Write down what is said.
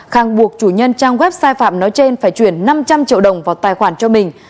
khang buộc chủ nhân trang web sai phạm nói trên phải chuyển năm trăm linh triệu đồng vào tài khoản cho mình